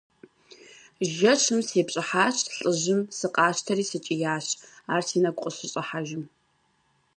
Жэщым сепщӀыхьащ лӀыжьым, сыкъащтэри сыкӀиящ, ар си нэгу къыщыщӀыхьэжым.